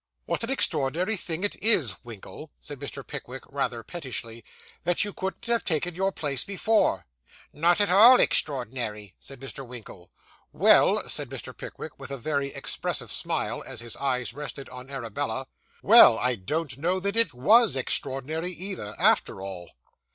'What an extraordinary thing it is, Winkle,' said Mr. Pickwick, rather pettishly, 'that you couldn't have taken your place before.' 'Not at all extraordinary,' said Mr. Winkle. 'Well,' said Mr. Pickwick, with a very expressive smile, as his eyes rested on Arabella, 'well, I don't know that it _was _extraordinary, either, after all.